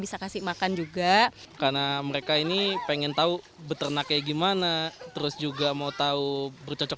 bisa kasih makan juga karena mereka ini pengen tahu beternak kayak gimana terus juga mau tahu bercocok